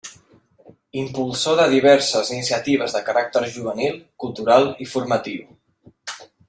Impulsor de diverses iniciatives de caràcter juvenil, cultural i formatiu.